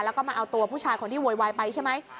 แล้วก็มาเอาตัวผู้ชายคนที่โวยวายไปใช่ไหม